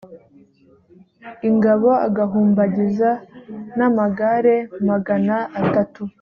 ingabo agahumbagiza n amagare magana atatu